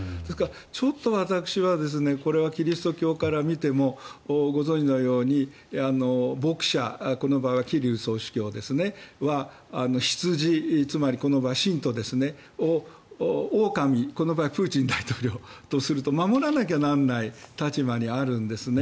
ちょっと私はこれはキリスト教から見てもご存じのように、牧者この場合はキリル総主教ですね羊、つまりは信徒はオオカミがこの場合プーチン大統領とすると守らなきゃいけない立場にあるんですね。